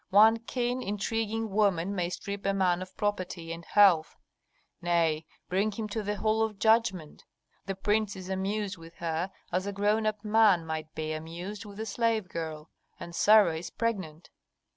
One keen, intriguing woman may strip a man of property and health, nay, bring him to the hall of judgment. The prince is amused with her as a grown up man might be amused with a slave girl. And Sarah is pregnant."